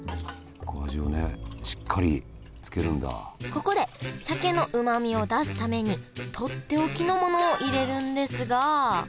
ここで鮭のうまみを出すためにとっておきのものを入れるんですが。